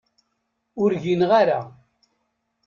Ur gineɣ ara.